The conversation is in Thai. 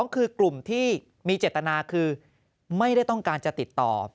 คือกลุ่มที่มีเจตนาคือไม่ได้ต้องการจะติดต่อ